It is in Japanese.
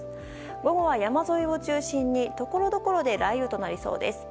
午後は山沿いを中心にところどころ雷雨となりそうです。